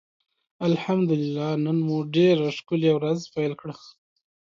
الحمدالله نن مو ډيره ښکلي ورځ پېل کړه.